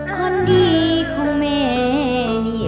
คนดีของแม่นี้เอ่ย